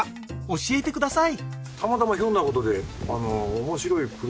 教えてください